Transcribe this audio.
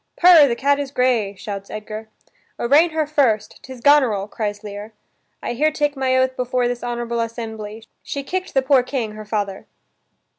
"Purr, the cat is gray," shouts Edgar. "Arraign her first, 'tis Goneril," cries Lear. "I here take my oath before this honorable assembly, she kicked the poor king, her father."